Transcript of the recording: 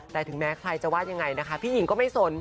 แต่ถึงแม้ใครจะว่ายังไงนะคะพี่หญิงก็ไม่สน